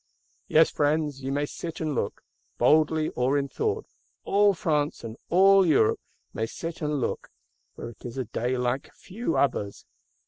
Yes, friends, ye may sit and look: boldly or in thought, all France, and all Europe, may sit and look; for it is a day like few others.